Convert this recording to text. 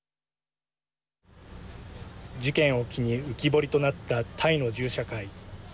事件を機に浮き彫りとなったタイの銃社会。